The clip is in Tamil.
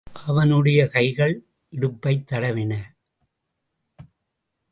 அவனுடைய கைகள் இடுப்பைத் தடவின.